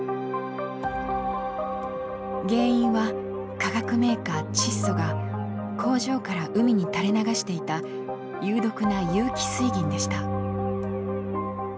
原因は化学メーカーチッソが工場から海に垂れ流していた有毒な有機水銀でした。